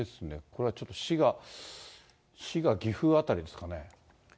これはちょっと滋賀、岐阜辺りですかね。